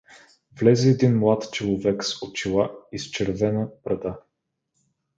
Влезе един млад человек с очила и с червена брада.